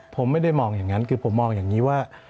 ผมไม่ได้มองอย่างนั้นคือผมมองอย่างนี้ว่า